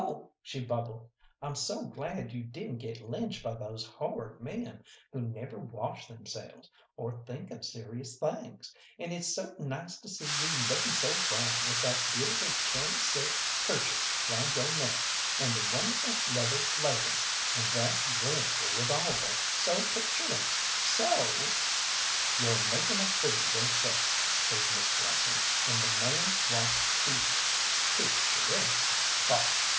"Oh," she bubbled, "I'm so glad you didn't get lynched by those horrid men who never wash themselves, or think of serious things; and it's so nice to see you looking so brown with that beautiful cherry silk kerchief round yo' neck, and the wonderful leather leggings, and that dreadful revolver, so picturesque, so " "You're making a fool of yo'self," says Miss Blossom, "and the man wants feeding. Picturesque! Bosh!